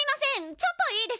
ちょっといいですか？